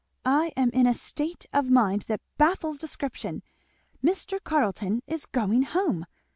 "I am in a state of mind that baffles description Mr. Carleton is going home!!